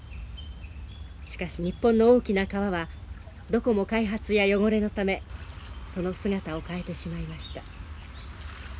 しかし日本の大きな川はどこも開発や汚れのためその姿を変えてしまいました。